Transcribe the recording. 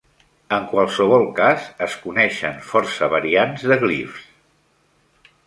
En qualsevol cas, es coneixen força variants de glifs.